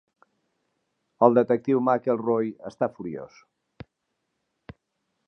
El detectiu McElroy està furiós.